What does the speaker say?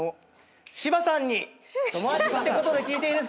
柴さんに友達ってことで聞いていいですか？